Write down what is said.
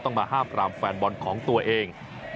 ต้องมาห้ามพรามแฟนหม่อนของตัวเอง